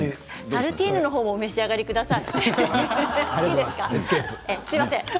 タルティーヌの方もお召し上がりください。